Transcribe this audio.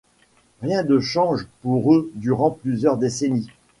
Rien de change pour eux durant plusieurs décennies.